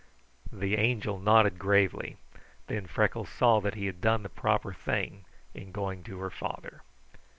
The Angel nodded gravely, then Freckles saw that he had done the proper thing in going to her father.